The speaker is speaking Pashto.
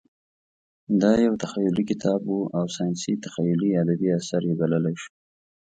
دا یو تخیلي کتاب و او ساینسي تخیلي ادبي اثر یې بللی شو.